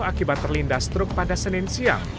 akibat terlindas truk pada senin siang